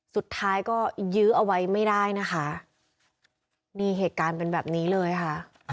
สุดท้ายก็ยื้อเอาไว้ไม่ได้นะคะนี่เหตุการณ์เป็นแบบนี้เลยค่ะ